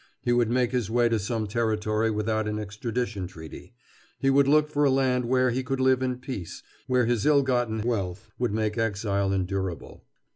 He would make his way to some territory without an extradition treaty. He would look for a land where he could live in peace, where his ill gotten wealth would make exile endurable.